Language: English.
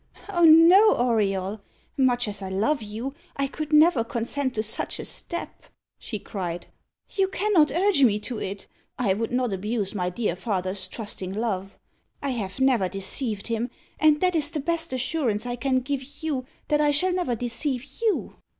"Oh no, Auriol; much as I love you, I could never consent to such a step," she cried. "You cannot urge me to it. I would not abuse my dear father's trusting love. I have never deceived him, and that is the best assurance I can give you that I shall never deceive you."